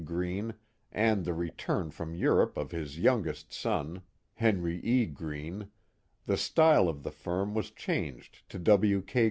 Greene, and the return from Europe of his youngest son, Henry E. Greene, the style of the firm was changed to W. K.